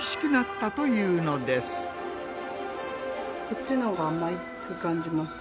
こっちの方が甘く感じます。